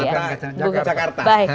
bukan kacamata jakarta